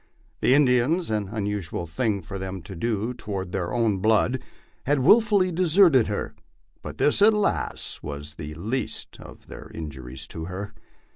The In dians, an unusual thing for them to do toward their own blood, had wilfully deserted her ; but this, alas ! was the least of their injuries to her.